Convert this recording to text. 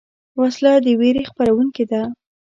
وسله د ویرې خپرونکې ده